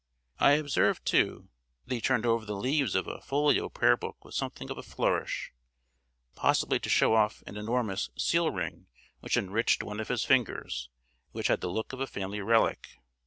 I observed, too, that he turned over the leaves of a folio prayer book with something of a flourish; possibly to show off an enormous seal ring which enriched one of his fingers, and which had the look of a family relic.